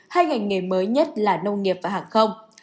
hai ngành nghề mới nhất là nông nghiệp và hàng không